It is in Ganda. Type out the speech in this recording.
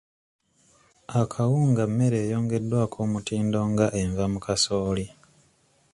Akawunga mmere eyongeddwako omutindo nga eva mu kasooli.